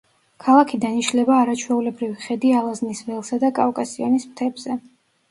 ქალაქიდან იშლება არაჩვეულებრივი ხედი ალაზნის ველსა და კავკასიონის მთებზე.